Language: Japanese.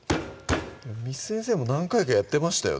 簾先生も何回かやってましたよ